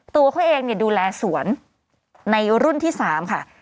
ตัวเขาเองดูแลสวนในรุ่นที่๓ค่ะ